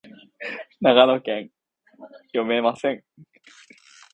長野県飯綱町